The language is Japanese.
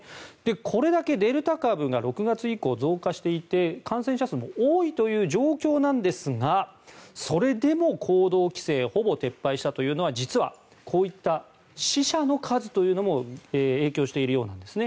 これだけデルタ株が６月以降増加していて感染者数も多いという状況なんですがそれでも行動規制をほぼ撤廃したというのは実は、こういった死者の数というのも影響しているようなんですね。